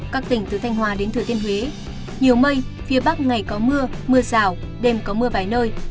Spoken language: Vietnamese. các tỉnh từ thanh hòa đến thừa thiên huế nhiều mây phía bắc ngày có mưa mưa rào đêm có mưa vài nơi